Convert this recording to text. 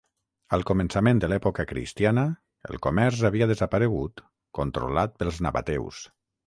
Al començament de l'època cristiana el comerç havia desaparegut controlat pels nabateus.